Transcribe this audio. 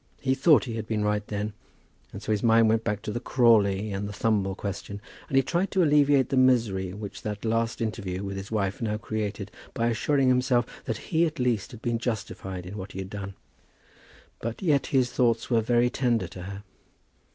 He thought he had been right then. And so his mind went back to the Crawley and Thumble question, and he tried to alleviate the misery which that last interview with his wife now created by assuring himself that he at least had been justified in what he had done. But yet his thoughts were very tender to her.